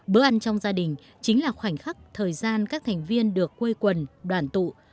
bữa ăn trong gia đình chính là khoảnh khắc thời gian các thành viên được quây quần đoàn tụ